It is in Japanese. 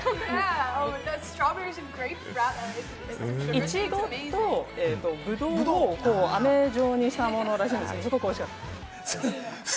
イチゴとブドウの、飴状にしたものらしいですが、すごく美味しかったです。